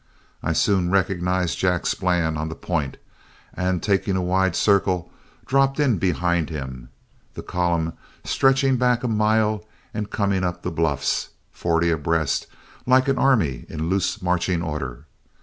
I soon recognized Jack Splann on the point, and taking a wide circle, dropped in behind him, the column stretching back a mile and coming up the bluffs, forty abreast like an army in loose marching order.